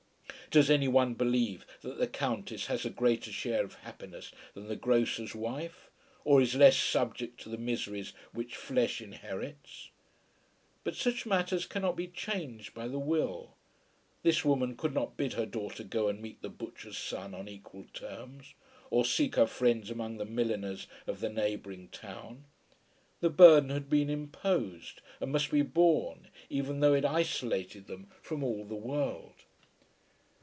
Does any one believe that the Countess has a greater share of happiness than the grocer's wife, or is less subject to the miseries which flesh inherits? But such matters cannot be changed by the will. This woman could not bid her daughter go and meet the butcher's son on equal terms, or seek her friends among the milliners of the neighbouring town. The burden had been imposed and must be borne, even though it isolated them from all the world.